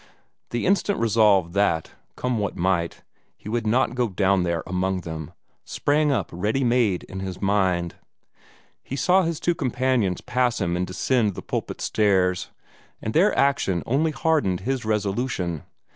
The instant resolve that, come what might, he would not go down there among them, sprang up ready made in his mind. He saw his two companions pass him and descend the pulpit stairs, and their action only hardened his resolution.